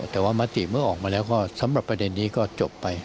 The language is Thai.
แต่ว่ามติเมื่อออกมาแล้วก็สำหรับประเด็นนี้ก็จบไป